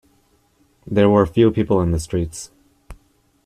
There were few people in the streets.